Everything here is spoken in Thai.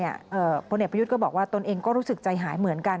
ผลเอกประยุทธ์ก็บอกว่าตนเองก็รู้สึกใจหายเหมือนกัน